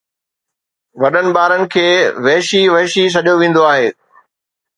وڏن ٻارن کي وحشي وحشي سڏيو ويندو آهي